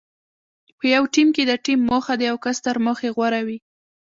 په یو ټیم کې د ټیم موخه د یو کس تر موخې غوره وي.